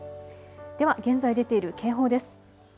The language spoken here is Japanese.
では現在出ている警報です。